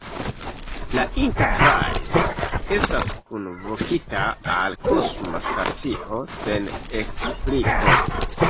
La Enterprise estas kunvokita al kosma stacio sen ekspliko.